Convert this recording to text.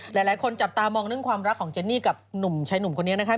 หลายคนจับตามองเรื่องความรักของเจนนี่กับหนุ่มชายหนุ่มคนนี้นะคะ